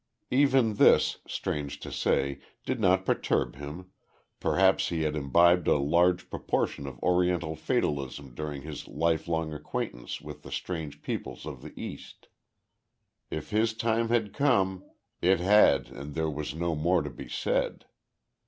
Even this, strange to say, did not perturb him, perhaps he had imbibed a large proportion of Oriental fatalism during his lifelong acquaintance with the strange peoples of the East. If his time had come it had, and there was no more to be said.